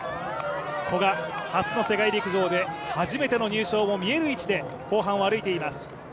古賀、初の世界陸上で初めての入賞も見える位置で後半を歩いています。